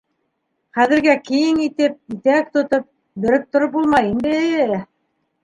Хәҙергә киң итеп, итәк тотоп, бөрөп тороп булмай инде...